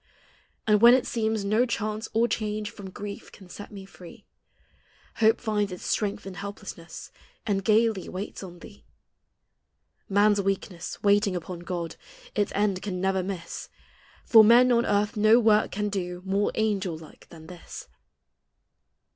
And when it seems no chance or change From grief can set me free, Hope finds its strength in helplessness, And gayiy waits on thee. Man's weakness, waiting upon God, Its end can never miss. For men on earth no work can do More angel like than this.